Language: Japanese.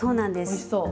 おいしそう。